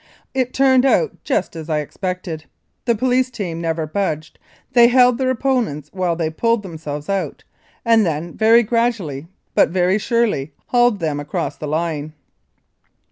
It turned out just as I expected. The police team never budged they just held their opponents while they pulled them selves out, and then, very gradually but very surely, hauled them across the line.